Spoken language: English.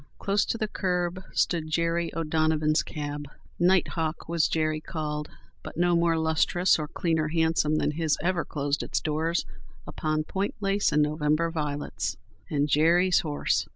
Close to the curb stood Jerry O'Donovan's cab. Night hawk was Jerry called; but no more lustrous or cleaner hansom than his ever closed its doors upon point lace and November violets. And Jerry's horse!